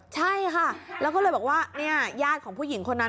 ใช่ค่ะแล้วก็เลยบอกว่าเนี่ยญาติของผู้หญิงคนนั้น